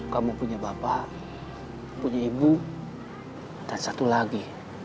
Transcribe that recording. kamu punya bapak punya ibu dan satu lagi